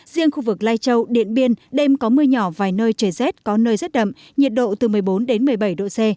riêng khu vực lai châu điện biên đêm có mưa nhỏ vài nơi trời rét có nơi rất đậm nhiệt độ từ một mươi bốn đến một mươi bảy độ c